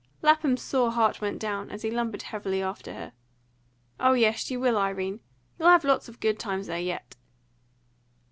Lapham's sore heart went down, as he lumbered heavily after her. "Oh yes, you will, Irene. You'll have lots of good times there yet."